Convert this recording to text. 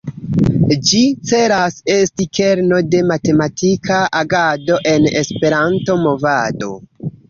Ĝi celas esti kerno de matematika agado en Esperanto-movado.